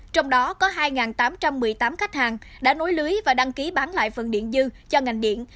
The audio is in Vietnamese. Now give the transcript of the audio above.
trong đó có hai tám trăm một mươi tám khách hàng đã nối lưới và đăng ký bán lại phần điện dư cho ngành điện